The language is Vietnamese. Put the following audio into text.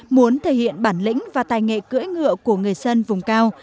muốn thể hiện bản lĩnh và tài nghệ cưỡi ngựa của người dân vùng cao